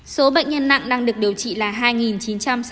số bệnh nhân nặng đang được điều trị là hai chín trăm sáu mươi hai ca